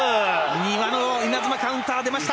丹羽の稲妻カウンター出ました！